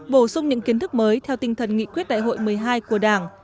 bổ sung những kiến thức mới theo tinh thần nghị quyết đại hội một mươi hai của đảng